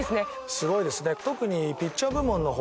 すごいですね。